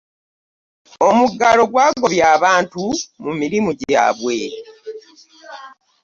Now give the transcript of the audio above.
Omuggalo gwagobya abantu mu mirimu gyaabwe.